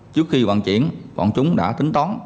trước khi vận chuyển bọn chúng đã tính tón